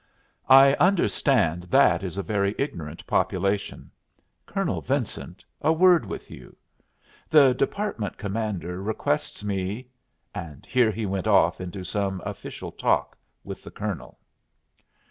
I understand that is a very ignorant population. Colonel Vincent, a word with you. The Department Commander requests me " And here he went off into some official talk with the Colonel.